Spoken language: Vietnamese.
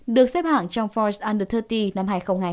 được xếp hạng trong forbes under ba mươi năm hai nghìn hai mươi hai